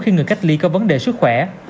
khi người cách ly có vấn đề sức khỏe